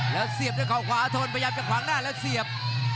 แล้วเสียบด้วยเขาขวาทนพยายามจะขวางหน้าแล้วเสียบ